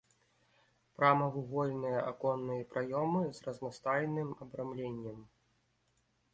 Прамавугольныя аконныя праёмы з разнастайным абрамленнем.